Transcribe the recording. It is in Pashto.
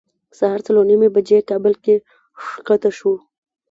سهار څلور نیمې بجې کابل کې ښکته شوو.